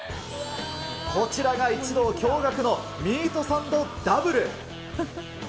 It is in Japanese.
こちらが一同驚がくのミート・サンド・ダブル。